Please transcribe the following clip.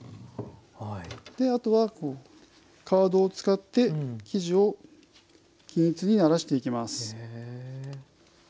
あとはカードを使って生地を均一にならしていきます。